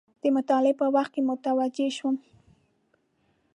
د مطالعې په وخت کې متوجه شوم.